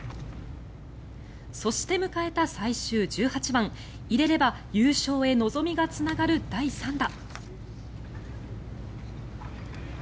そして迎えた最終１８番入れれば優勝へ望みがつながる第３打。